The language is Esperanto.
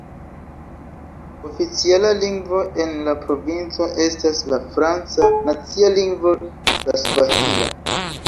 Oficiala lingvo en la provinco estas la franca, nacia lingvo la svahila.